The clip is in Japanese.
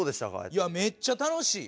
いやめっちゃ楽しい。